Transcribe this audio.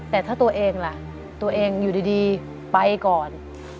แต่ถ้าตัวเองล่ะตัวเองอยู่ดีไปก่อน